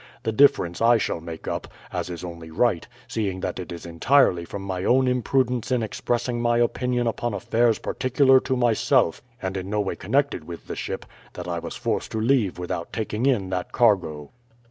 The difference I shall make up, as is only right, seeing that it is entirely from my own imprudence in expressing my opinion upon affairs particular to myself, and in no way connected with the ship, that I was forced to leave without taking in that cargo."